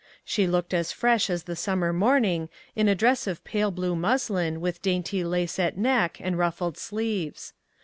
She looked as fresh as the summer morning in a dress of pale blue muslin, with dainty lace at neck, and ruffled sleeves.